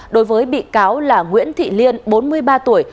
đối với bị cáo là nguyễn thị liên bốn mươi ba tuổi